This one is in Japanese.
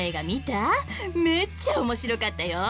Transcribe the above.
めっちゃ面白かったよ！